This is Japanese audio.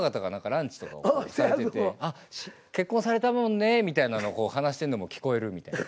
「あっ結婚されたもんね」みたいなのを話してるのも聞こえるみたいな。